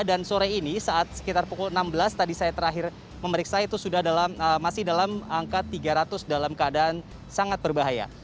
dan sore ini saat sekitar pukul enam belas tadi saya terakhir memeriksa itu masih dalam angka tiga ratus dalam keadaan sangat berbahaya